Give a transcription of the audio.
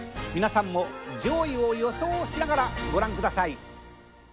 皆さんも上位を予想しながらご覧ください。